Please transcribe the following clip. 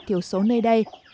thiểu số nơi đây